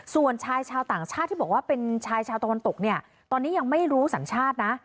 ส่วนชายชาวต่างชาติที่บอกว่าเป็นชายชาวตะวันตกเนี่ยตอนนี้ยังไม่รู้สัญชาตินะ